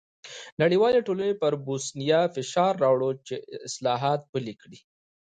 نړیوالې ټولنې پر بوسیا فشار راووړ چې اصلاحات پلي کړي.